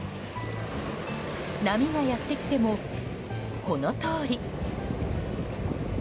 波がやってきても、このとおり。